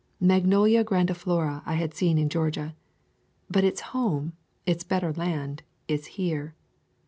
Magnolia grandiflora I had seen in Georgia; but its home, its better land, is here.